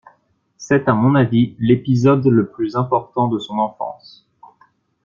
C’est à mon avis l’épisode le plus important de son enfance.